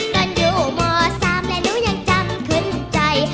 นอนอยู่โมสามแล้วหนูยังจำขึ้นใจ